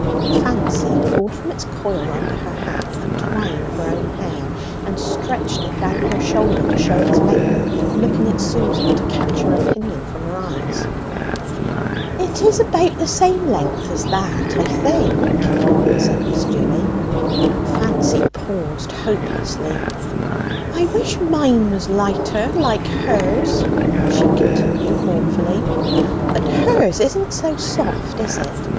Fancy pulled from its coil under her hat a twine of her own hair, and stretched it down her shoulder to show its length, looking at Susan to catch her opinion from her eyes. "It is about the same length as that, I think," said Miss Dewy. Fancy paused hopelessly. "I wish mine was lighter, like hers!" she continued mournfully. "But hers isn't so soft, is it?